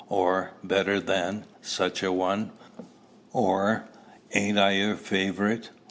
or, "better than" such a one? or, "Ain't I your favorite?"